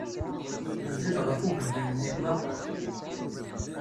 Nezzi-d ɣef ugelmim-nni akk.